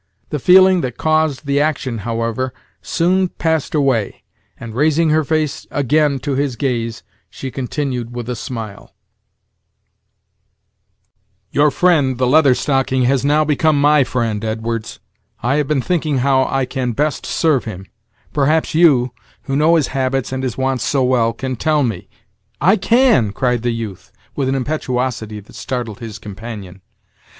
The feeling that caused the action, however, soon passed away, and, raising her face again to his gaze, she continued with a smile: "Your friend, the Leather Stocking, has now become my friend, Edwards; I have been thinking how I can best serve him; perhaps you, who know his habits and his wants so well, can tell me " "I can," cried the youth, with an impetuosity that startled his companion.